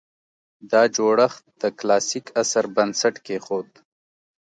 دا جوړښت د کلاسیک عصر بنسټ کېښود